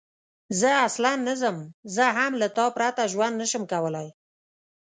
زه اصلاً نه ځم، زه هم له تا پرته ژوند نه شم کولای.